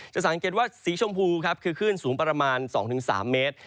สังเกตว่าสีชมพูครับคือคลื่นสูงประมาณ๒๓เมตร